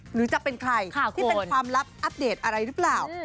หรือจะเป็นใครที่เป็นความลับอัปเดตอะไรหรือเปล่า